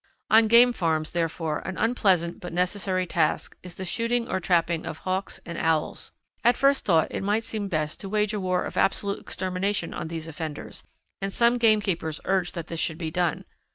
On game farms, therefore, an unpleasant but necessary task is the shooting or trapping of Hawks and Owls. At first thought it might seem best to wage a war of absolute extermination on these offenders, and some game keepers urge that this should be done.